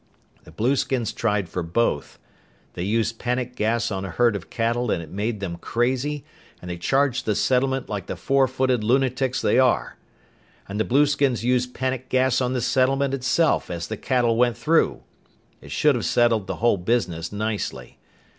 The blueskins tried for both. They used panic gas on a herd of cattle and it made them crazy and they charged the settlement like the four footed lunatics they are! "And the blueskins used panic gas on the settlement itself as the cattle went through. It should have settled the whole business nicely.